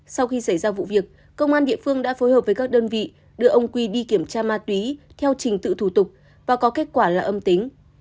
sau khi xảy ra vụ việc công an địa phương đã phối hợp với các đơn vị đưa ông quy đi kiểm tra ma túy theo trình tự thủ tục và có kết quả là âm tính